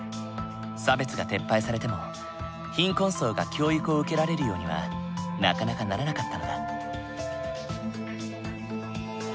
差別が撤廃されても貧困層が教育を受けられるようにはなかなかならなかったのだ。